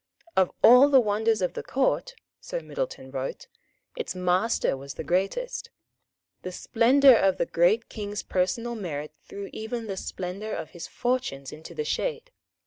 Of all the wonders of the Court, so Middleton wrote, its master was the greatest. The splendour of the great King's personal merit threw even the splendour of his fortunes into the shade.